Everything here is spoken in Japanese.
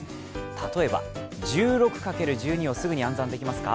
例えば、１６×１２をすぐに暗算できますか？